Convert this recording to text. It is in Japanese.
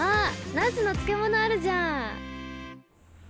ナスの漬物あるじゃん